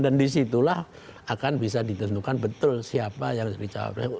dan disitulah akan bisa ditentukan berarti